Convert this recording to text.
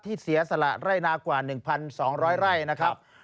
เสียสละไร่นากว่า๑๒๐๐ไร่นะครับ